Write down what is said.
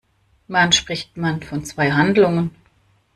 Wann spricht man von zwei Handlungen?